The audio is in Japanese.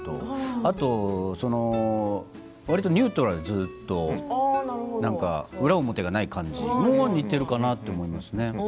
あとは、わりとニュートラルにずっと裏表がない感じも似ているかなと思います。